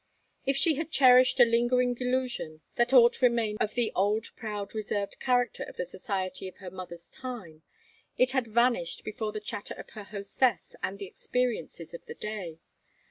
If she had cherished a lingering delusion that aught remained of the old proud reserved character of the society of her mother's time, it had vanished before the chatter of her hostess and the experiences of the day.